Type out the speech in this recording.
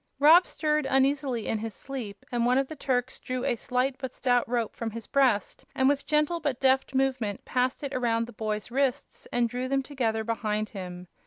Rob stirred uneasily in his sleep, and one of the Turks drew a slight but stout rope from his breast and with gentle but deft movement passed it around the boy's wrists and drew them together behind him.